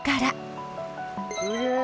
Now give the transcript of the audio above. すげえ！